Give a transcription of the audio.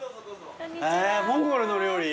モンゴルの料理？